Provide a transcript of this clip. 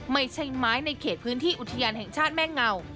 ไม่ใช่ไม้ในเขตพื้นที่อุทยานแห่งชาติแม่เงา